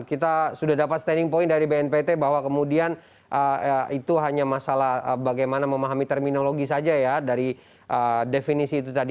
kita sudah dapat standing point dari bnpt bahwa kemudian itu hanya masalah bagaimana memahami terminologi saja ya dari definisi itu tadi